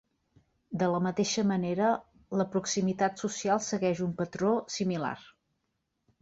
De la mateixa manera, la proximitat "social" segueix un patró similar.